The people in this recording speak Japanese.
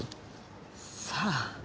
さあ。